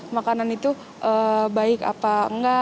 makanan itu baik apa enggak